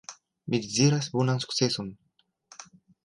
Mi deziras bonan sukceson.